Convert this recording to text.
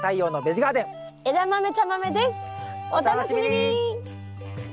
お楽しみに！